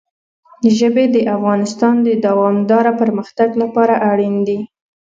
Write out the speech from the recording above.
ژبې د افغانستان د دوامداره پرمختګ لپاره اړین دي.